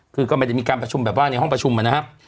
คือก็ไม่ได้มีการประชุมแบบว่าในห้องประชุมนะครับ